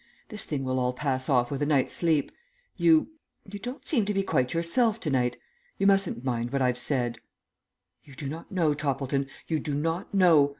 This thing will all pass off with a night's sleep. You you don't seem to be quite yourself to night. You mustn't mind what I have said." "You do not know, Toppleton, you do not know.